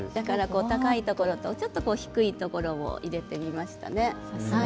高いところと低いところを入れてみました。